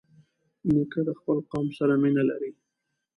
نیکه د خپل قوم سره مینه لري.